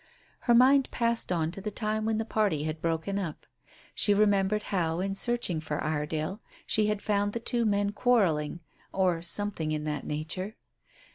Her mind passed on to the time when the party had broken up. She remembered how in searching for Iredale she had found the two men quarrelling, or something in that nature.